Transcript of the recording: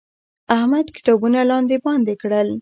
احمد کتابونه لاندې باندې کړل.